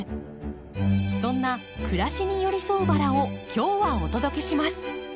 そんな暮らしに寄り添うバラを今日はお届けします。